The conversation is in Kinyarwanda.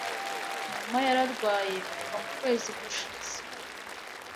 Mama yararwaye kuva mu kwezi gushize.